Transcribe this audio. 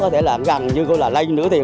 có thể làm rằng như là lây nửa tiền